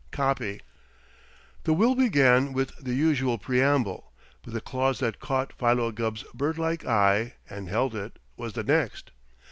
Copy." The will began with the usual preamble, but the clause that caught Philo Gubb's bird like eye, and held it, was the next.